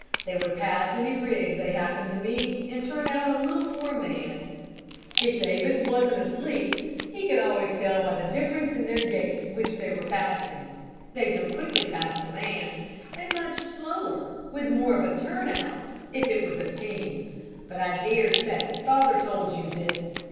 They would pass any rigs they happened to meet, and turn out a little for a man. If Davids wasn't asleep, he could always tell by the difference in their gait which they were passing. They'd go quickly past a man, and much slower, with more of a turn out, if it was a team. But I dare say father told you this.